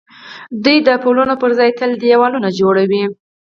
دوی د پلونو پر ځای تل دېوالونه جوړوي.